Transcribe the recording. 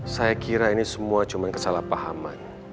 saya kira ini semua cuma kesalahpahaman